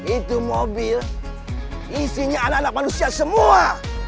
itu mobil isinya anak anak manusia semua